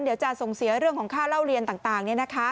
เดี๋ยวจะส่งเสียเรื่องของค่าเล่าเรียนต่าง